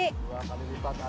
dua kali lipat